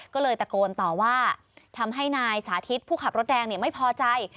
ก็เลยตะโกนต่อว่าทำให้นายสาธิตผู้ขับรถแดงไม่พอใจ